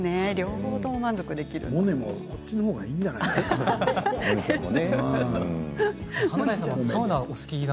モネもこっちのほうがいいんじゃないかな？